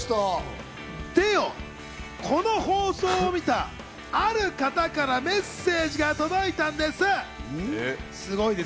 でよ、この放送を見たある方からメッセージが届いたんです。